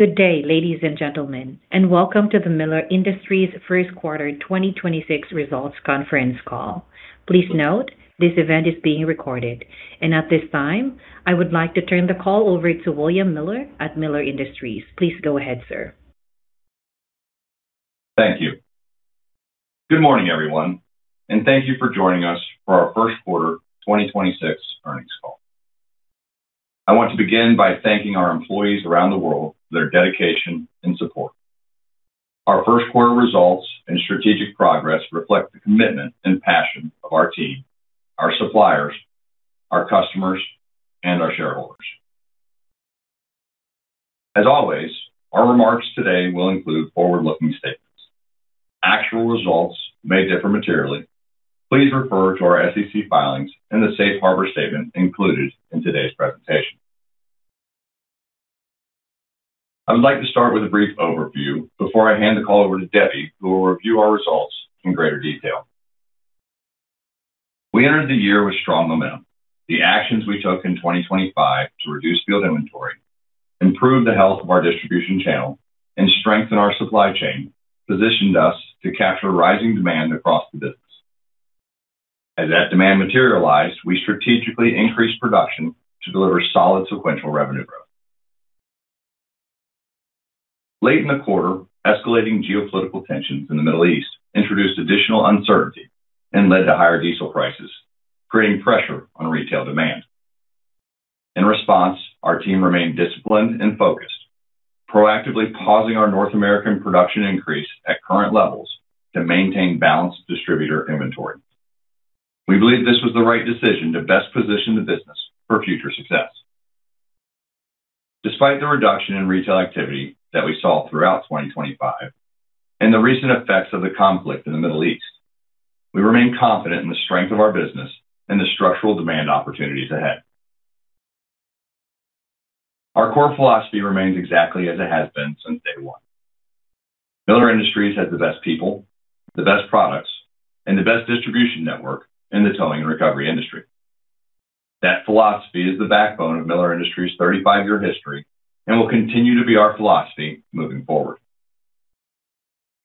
Good day, ladies and gentlemen, welcome to the Miller Industries first quarter 2026 results conference call. Please note, this event is being recorded. At this time, I would like to turn the call over to William Miller at Miller Industries. Please go ahead, sir. Thank you. Good morning, everyone, and thank you for joining us for our first quarter 2026 earnings call. I want to begin by thanking our employees around the world for their dedication and support. Our first quarter results and strategic progress reflect the commitment and passion of our team, our suppliers, our customers, and our shareholders. As always, our remarks today will include forward-looking statements. Actual results may differ materially. Please refer to our SEC filings and the safe harbor statement included in today's presentation. I would like to start with a brief overview before I hand the call over to Debbie, who will review our results in greater detail. We entered the year with strong momentum. The actions we took in 2025 to reduce field inventory, improve the health of our distribution channel, and strengthen our supply chain positioned us to capture rising demand across the business. As that demand materialized, we strategically increased production to deliver solid sequential revenue growth. Late in the quarter, escalating geopolitical tensions in the Middle East introduced additional uncertainty and led to higher diesel prices, creating pressure on retail demand. In response, our team remained disciplined and focused, proactively pausing our North American production increase at current levels to maintain balanced distributor inventory. We believe this was the right decision to best position the business for future success. Despite the reduction in retail activity that we saw throughout 2025 and the recent effects of the conflict in the Middle East, we remain confident in the strength of our business and the structural demand opportunities ahead. Our core philosophy remains exactly as it has been since day one. Miller Industries has the best people, the best products, and the best distribution network in the towing and recovery industry. That philosophy is the backbone of Miller Industries' 35-year history and will continue to be our philosophy moving forward.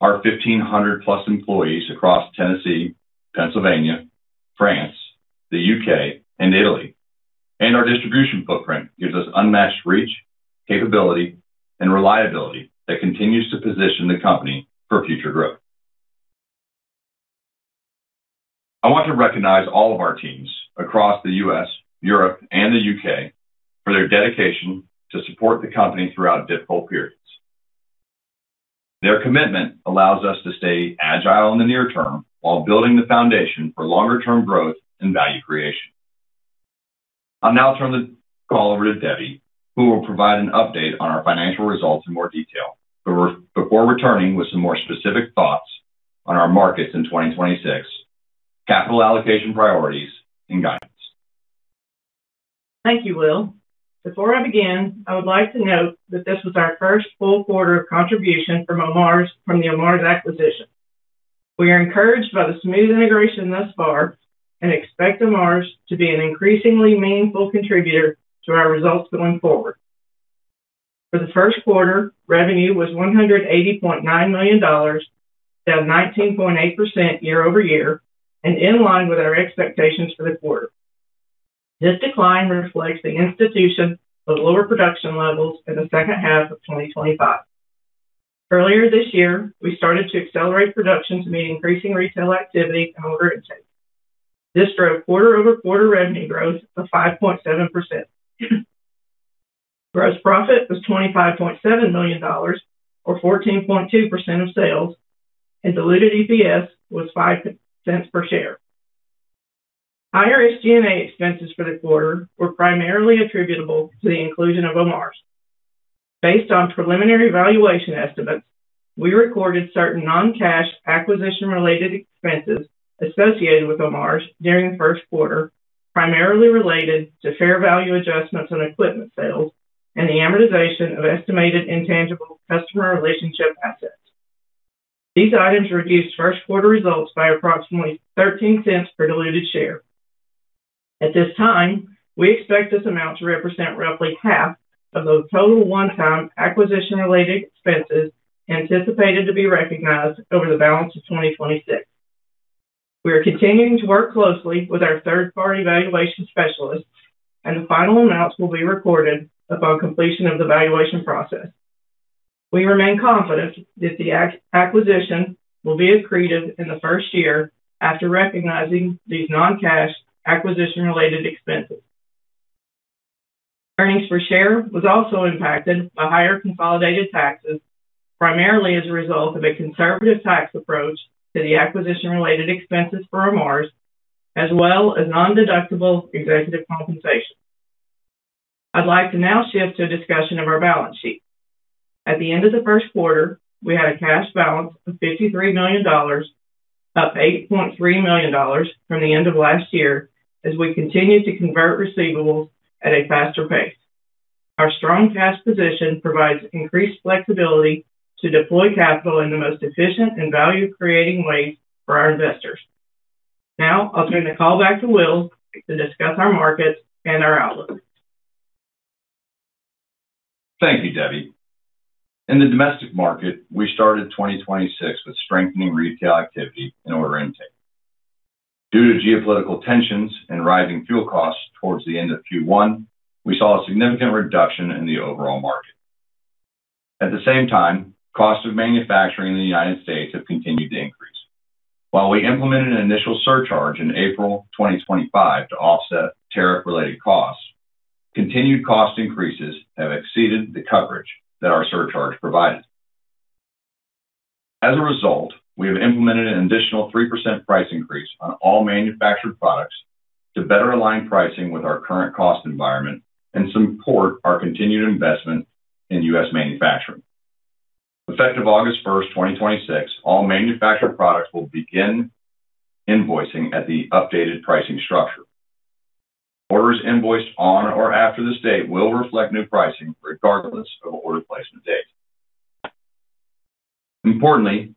Our 1,500 plus employees across Tennessee, Pennsylvania, France, the U.K., and Italy, and our distribution footprint gives us unmatched reach, capability, and reliability that continues to position the company for future growth. I want to recognize all of our teams across the U.S., Europe, and the U.K. for their dedication to support the company throughout difficult periods. Their commitment allows us to stay agile in the near term while building the foundation for longer-term growth and value creation. I'll now turn the call over to Debbie, who will provide an update on our financial results in more detail, before returning with some more specific thoughts on our markets in 2026, capital allocation priorities, and guidance. Thank you, Will. I would like to note that this was our first full quarter of contribution from the Omars acquisition. We are encouraged by the smooth integration thus far and expect Omars to be an increasingly meaningful contributor to our results going forward. For the first quarter, revenue was $180.9 million, down 19.8% year-over-year and in line with our expectations for the quarter. This decline reflects the institution of lower production levels in the second half of 2025. Earlier this year, we started to accelerate production to meet increasing retail activity and order intake. This drove quarter-over-quarter revenue growth of 5.7%. Gross profit was $25.7 million or 14.2% of sales, and diluted EPS was $0.05 per share. Higher SG&A expenses for the quarter were primarily attributable to the inclusion of Omars. Based on preliminary valuation estimates, we recorded certain non-cash acquisition-related expenses associated with Omars during the first quarter, primarily related to fair value adjustments on equipment sales and the amortization of estimated intangible customer relationship assets. These items reduced first quarter results by approximately $0.13 per diluted share. At this time, we expect this amount to represent roughly half of those total one-time acquisition-related expenses anticipated to be recognized over the balance of 2026. We are continuing to work closely with our third-party valuation specialists, and the final amounts will be recorded upon completion of the valuation process. We remain confident that the acquisition will be accretive in the first year after recognizing these non-cash acquisition-related expenses. Earnings per share was also impacted by higher consolidated taxes, primarily as a result of a conservative tax approach to the acquisition-related expenses for Omars, as well as non-deductible executive compensation. I'd like to now shift to a discussion of our balance sheet. At the end of the first quarter, we had a cash balance of $53 million, up $8.3 million from the end of last year as we continued to convert receivables at a faster pace. Our strong cash position provides increased flexibility to deploy capital in the most efficient and value-creating ways for our investors. I'll turn the call back to Will to discuss our markets and our outlook. Thank you, Debbie. In the domestic market, we started 2026 with strengthening retail activity and order intake. Due to geopolitical tensions and rising fuel costs towards the end of Q1, we saw a significant reduction in the overall market. At the same time, cost of manufacturing in the U.S. have continued to increase. While we implemented an initial surcharge in April 2025 to offset tariff-related costs, continued cost increases have exceeded the coverage that our surcharge provided. As a result, we have implemented an additional 3% price increase on all manufactured products to better align pricing with our current cost environment and support our continued investment in U.S. manufacturing. Effective August 1, 2026, all manufactured products will begin invoicing at the updated pricing structure. Orders invoiced on or after this date will reflect new pricing regardless of order placement date. Importantly,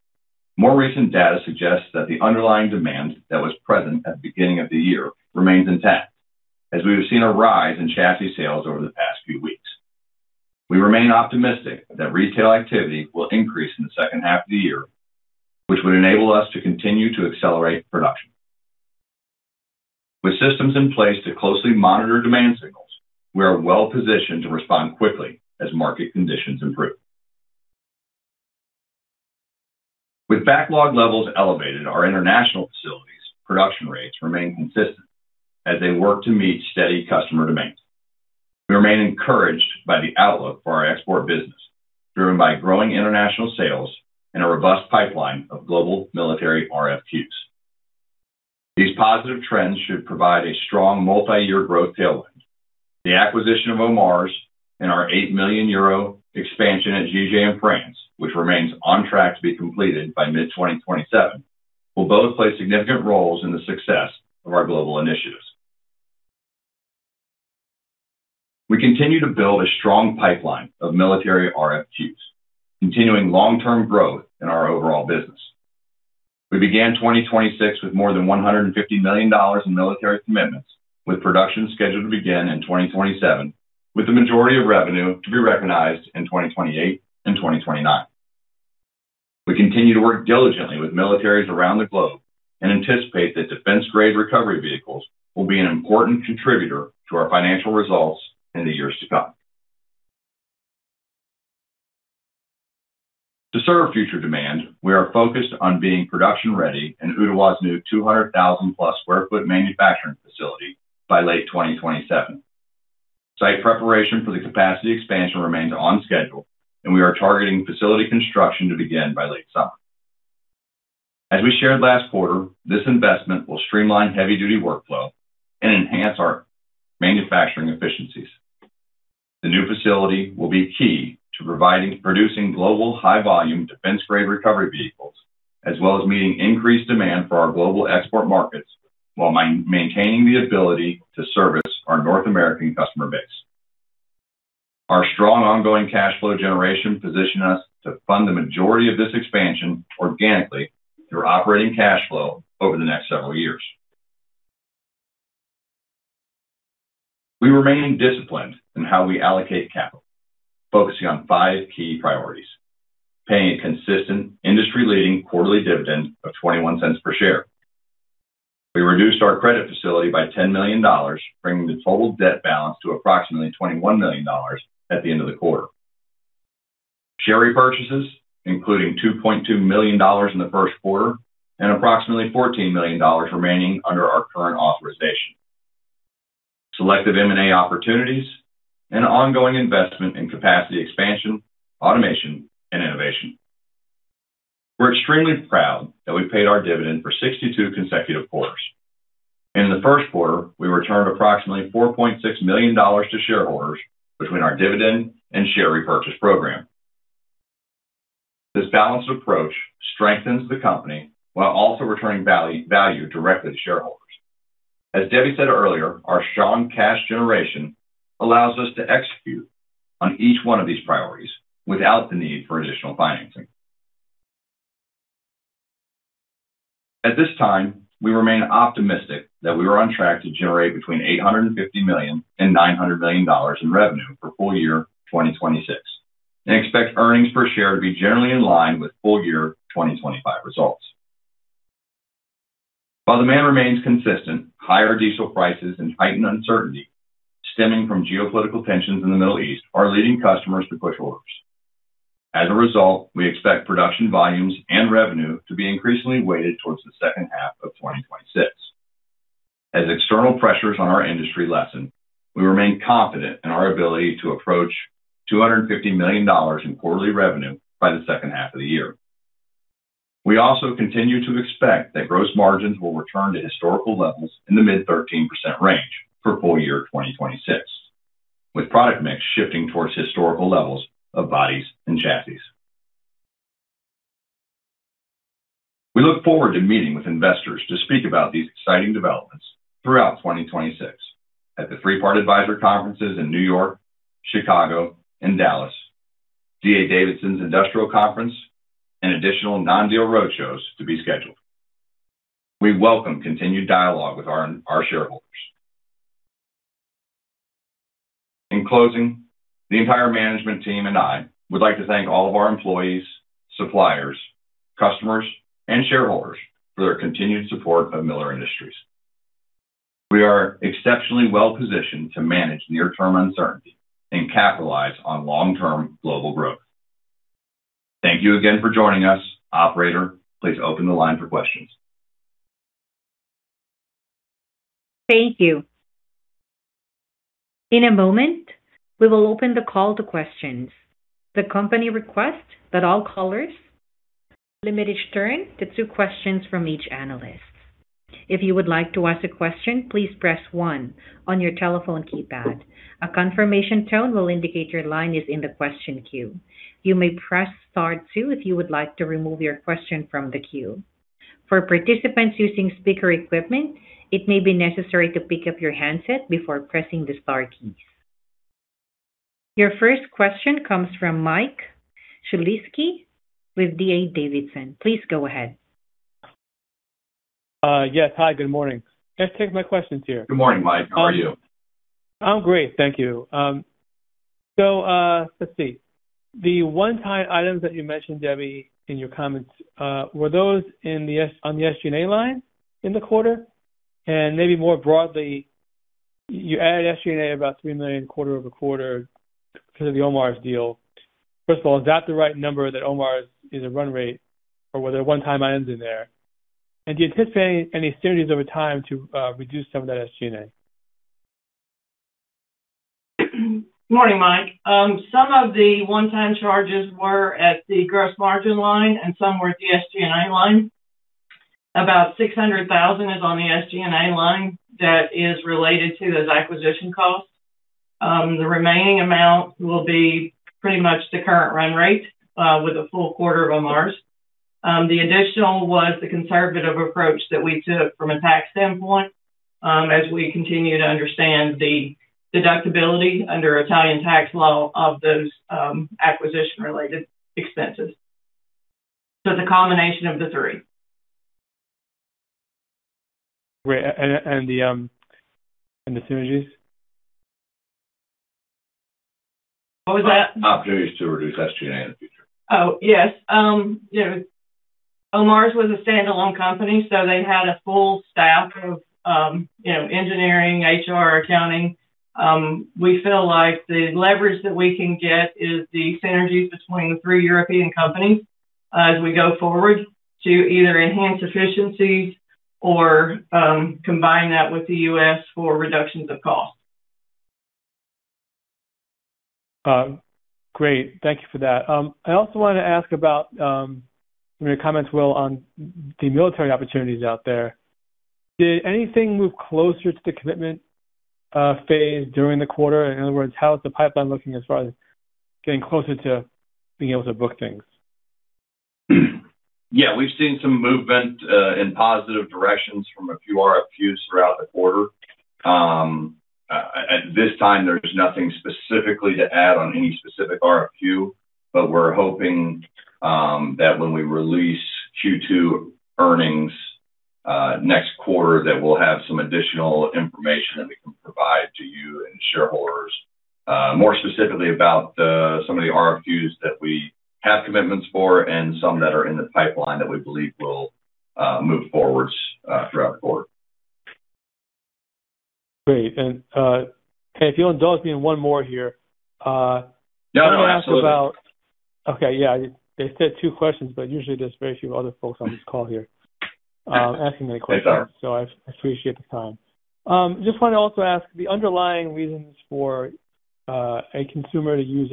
more recent data suggests that the underlying demand that was present at the beginning of the year remains intact, as we have seen a rise in chassis sales over the past few weeks. We remain optimistic that retail activity will increase in the second half of the year, which would enable us to continue to accelerate production. With systems in place to closely monitor demand signals, we are well-positioned to respond quickly as market conditions improve. With backlog levels elevated, our international facilities production rates remain consistent as they work to meet steady customer demand. We remain encouraged by the outlook for our export business, driven by growing international sales and a robust pipeline of global military RFQs. These positive trends should provide a strong multiyear growth tailwind. The acquisition of Omars and our 8 million euro expansion at Jige in France, which remains on track to be completed by mid 2027, will both play significant roles in the success of our global initiatives. We continue to build a strong pipeline of military RFQs, continuing long-term growth in our overall business. We began 2026 with more than $150 million in military commitments, with production scheduled to begin in 2027, with the majority of revenue to be recognized in 2028 and 2029. We continue to work diligently with militaries around the globe and anticipate that defense-grade recovery vehicles will be an important contributor to our financial results in the years to come. To serve future demand, we are focused on being production-ready in Ooltewah's new 200,000+ square foot manufacturing facility by late 2027. Site preparation for the capacity expansion remains on schedule, and we are targeting facility construction to begin by late summer. As we shared last quarter, this investment will streamline heavy duty workflow and enhance our manufacturing efficiencies. The new facility will be key to producing global high-volume defense-grade recovery vehicles, as well as meeting increased demand for our global export markets while maintaining the ability to service our North American customer base. Our strong ongoing cash flow generation position us to fund the majority of this expansion organically through operating cash flow over the next several years. We remain disciplined in how we allocate capital, focusing on five key priorities. Paying a consistent industry-leading quarterly dividend of $0.21 per share. We reduced our credit facility by $10 million, bringing the total debt balance to approximately $21 million at the end of the quarter. Share repurchases, including $2.2 million in the first quarter and approximately $14 million remaining under our current authorization. Selective M&A opportunities and ongoing investment in capacity expansion, automation, and innovation. We're extremely proud that we paid our dividend for 62 consecutive quarters. In the first quarter, we returned approximately $4.6 million to shareholders between our dividend and share repurchase program. This balanced approach strengthens the company while also returning value directly to shareholders. As Debbie said earlier, our strong cash generation allows us to execute on each one of these priorities without the need for additional financing. At this time, we remain optimistic that we are on track to generate between $850 million and $900 million in revenue for full year 2026 and expect earnings per share to be generally in line with full year 2025 results. While demand remains consistent, higher diesel prices and heightened uncertainty stemming from geopolitical tensions in the Middle East are leading customers to push orders. As a result, we expect production volumes and revenue to be increasingly weighted towards the second half of 2026. As external pressures on our industry lessen, we remain confident in our ability to approach $250 million in quarterly revenue by the second half of the year. We also continue to expect that gross margins will return to historical levels in the mid 13% range for full year 2026, with product mix shifting towards historical levels of bodies and chassis. We look forward to meeting with investors to speak about these exciting developments throughout 2026 at the Three Part Advisors conferences in New York, Chicago, and Dallas. D.A. Davidson's Industrial Conference, and additional non-deal roadshows to be scheduled. We welcome continued dialogue with our shareholders. In closing, the entire management team and I would like to thank all of our employees, suppliers, customers, and shareholders for their continued support of Miller Industries. We are exceptionally well-positioned to manage near-term uncertainty and capitalize on long-term global growth. Thank you again for joining us. Operator, please open the line for questions. Thank you. In a moment, we will open the call to questions. The company requests that all callers limit each turn to two questions from each analyst. If you would like to ask a question, please press one on your telephone keypad. A confirmation tone will indicate your line is in the question queue. You may press star two if you would like to remove your question from the queue. For participants using speaker equipment, it may be necessary to pick up your handset before pressing the star keys. Your first question comes from Michael Shlisky with D.A. Davidson. Please go ahead. Yes, hi, good morning. Let's take my questions here. Good morning, Mike. How are you? I'm great, thank you. The one-time items that you mentioned, Debbie, in your comments, were those on the SG&A line in the quarter? Maybe more broadly, you added SG&A about $3 million quarter-over-quarter because of the Omars deal. First of all, is that the right number that Omars is a run rate or were there one-time items in there? Do you anticipate any synergies over time to reduce some of that SG&A? Morning, Mike. Some of the one-time charges were at the gross margin line and some were at the SG&A line. About $600,000 is on the SG&A line that is related to those acquisition costs. The remaining amount will be pretty much the current run rate with a full quarter of Omars. The additional was the conservative approach that we took from a tax standpoint, as we continue to understand the deductibility under Italian tax law of those acquisition-related expenses. The combination of the three. Great. The synergies? What was that? Opportunities to reduce SG&A in the future. Oh, yes. You know, Omars was a standalone company, so they had a full staff of, you know, engineering, HR, accounting. We feel like the leverage that we can get is the synergies between the three European companies as we go forward to either enhance efficiencies or combine that with the U.S. for reductions of cost. Great. Thank you for that. I also wanted to ask about, from your comments, Will, on the military opportunities out there. Did anything move closer to the commitment phase during the quarter? In other words, how is the pipeline looking as far as getting closer to being able to book things? Yeah, we've seen some movement in positive directions from a few RFQs throughout the quarter. And this time there's nothing specifically to add on any specific RFQ, but we're hoping that when we release Q2 earnings next quarter, that we'll have some additional information that we can provide to you and shareholders more specifically about some of the RFQs that we have commitments for and some that are in the pipeline that we believe will move forwards throughout the quarter. Great. Hey, if you'll indulge me in one more here. No, absolutely. I wanna ask about Okay, yeah. They said two questions, but usually there's very few other folks on this call here, asking any questions. They are. I appreciate the time. Just wanna also ask the underlying reasons for a consumer to use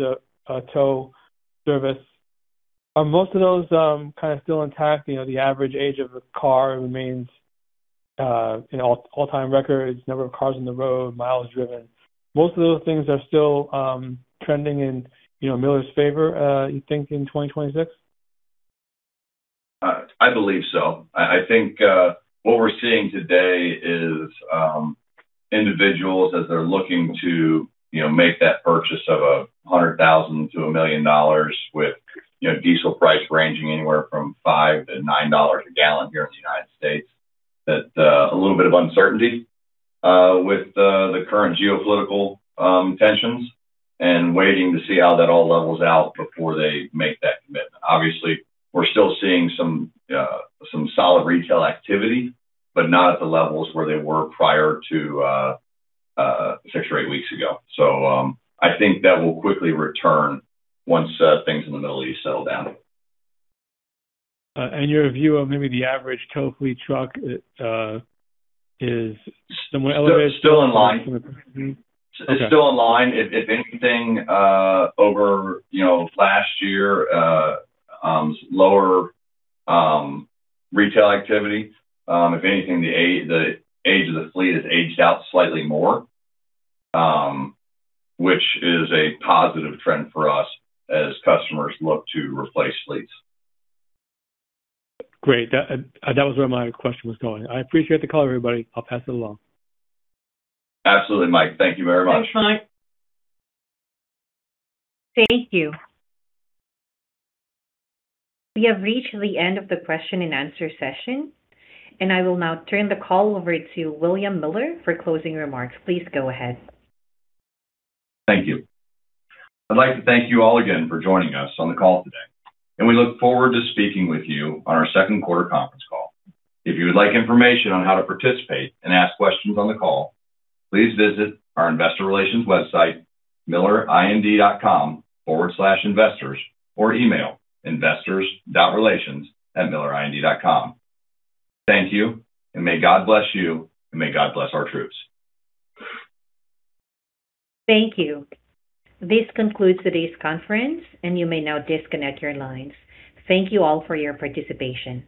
a tow service. Are most of those kind of still intact? You know, the average age of a car remains, you know, all-time records, number of cars on the road, miles driven. Most of those things are still trending in, you know, Miller's favor, you think in 2026? I believe so. I think, what we're seeing today is, individuals as they're looking to, you know, make that purchase of $100,000 to $1 million with, you know, diesel price ranging anywhere from $5 to $9 a gallon here in the U.S., that a little bit of uncertainty, with the current geopolitical tensions and waiting to see how that all levels out before they make that commitment. Obviously, we're still seeing some solid retail activity, but not at the levels where they were prior to six or eight weeks ago. I think that will quickly return once things in the Middle East settle down. Your view of maybe the average tow fleet truck, is somewhat elevated. Still in line. Mm-hmm. Okay. It's still in line. If anything, you know, last year, lower retail activity. If anything, the age of the fleet has aged out slightly more, which is a positive trend for us as customers look to replace fleets. Great. That was where my question was going. I appreciate the call, everybody. I'll pass it along. Absolutely, Mike. Thank you very much. Thanks, Mike. Thank you. We have reached the end of the question and answer session, and I will now turn the call over to William Miller for closing remarks. Please go ahead. Thank you. I'd like to thank you all again for joining us on the call today, and we look forward to speaking with you on our second quarter conference call. If you would like information on how to participate and ask questions on the call, please visit our investor relations website, millerind.com/investors, or email investors.relations@millerind.com. Thank you, and may God bless you, and may God bless our troops. Thank you. This concludes today's conference, and you may now disconnect your lines. Thank you all for your participation.